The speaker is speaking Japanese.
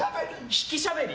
引きしゃべり。